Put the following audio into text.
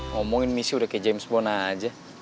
ngomongin misi udah kayak james bona aja